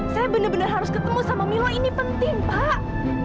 saya benar benar harus ketemu sama milo ini penting pak